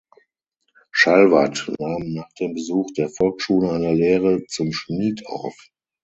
Schalwat nahm nach dem Besuch der Volksschule eine Lehre zum Schmied auf.